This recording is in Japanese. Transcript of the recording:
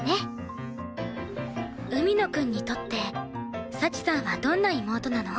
海野くんにとって幸さんはどんな妹なの？